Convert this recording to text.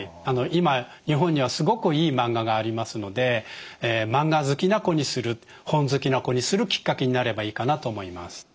今日本にはすごくいいマンガがありますのでマンガ好きな子にする本好きな子にするきっかけになればいいかなと思います。